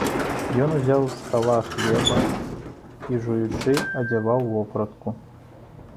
Ён узяў з стала хлеба і, жуючы, адзяваў вопратку.